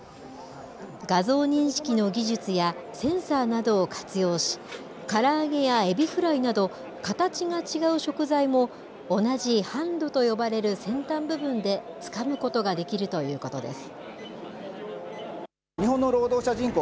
画像認識の技術やセンサーなどを活用し、から揚げやエビフライなど、形が違う食材も、同じハンドと呼ばれる先端部分でつかむことができるということです。